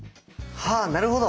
はあなるほど！